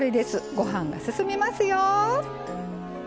ご飯が進みますよ。